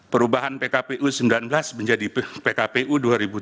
perubahan pkpu sembilan belas menjadi pkpu dua puluh tiga dua ribu dua puluh tiga